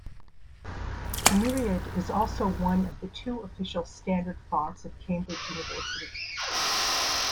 Myriad is also one of the two official standard fonts of Cambridge University.